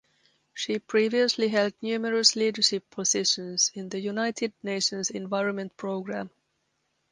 She previously held numerous leadership positions in the United Nations Environment Programme.